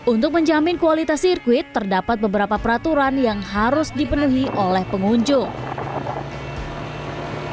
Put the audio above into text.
untuk menjamin kualitas sirkuit terdapat beberapa peraturan yang harus dipenuhi oleh pengunjung